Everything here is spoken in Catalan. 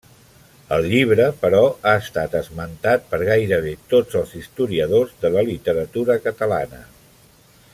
El llibre, però, ha estat esmentat per gairebé tots els historiadors de la literatura catalana.